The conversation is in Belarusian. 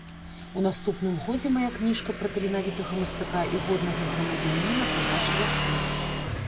У наступным годзе мая кніжка пра таленавітага мастака і годнага грамадзяніна пабачыла свет.